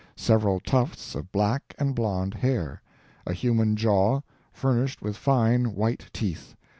Several tufts of black and blonde hair. A human jaw, furnished with fine white teeth.